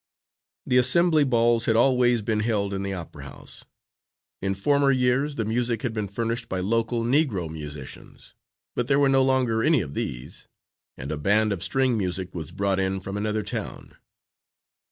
The Assembly Balls had always been held in the Opera House. In former years the music had been furnished by local Negro musicians, but there were no longer any of these, and a band of string music was brought in from another town.